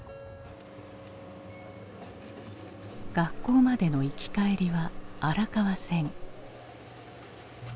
学校までの行き帰りは荒川線。